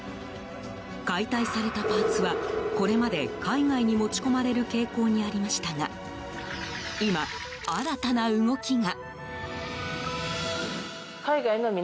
解体されたパーツはこれまで海外に持ち込まれる傾向にありましたが今、新たな動きが。